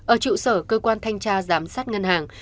ở trụ sở cơ quan thanh tra giám sát ngân hàng